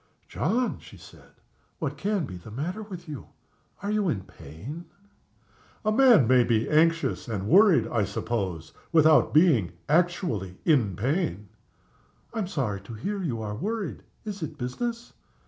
"John!" she said. "What can be the matter with you? Are you in pain?" "A man may be anxious and worried, I suppose, without being actually in pain." "I am sorry to hear you are worried. Is it business?"